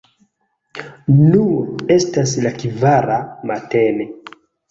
Nur estas la kvara matene.